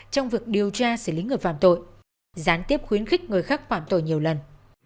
trong việc điều tra xử lý người phạm tội gián tiếp khuyến khích người khác phạm tội nhiều lần